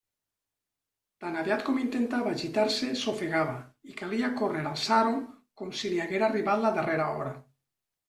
Tan aviat com intentava gitar-se s'ofegava, i calia córrer a alçar-ho, com si li haguera arribat la darrera hora.